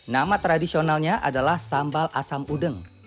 nama tradisionalnya adalah sambal asam udeng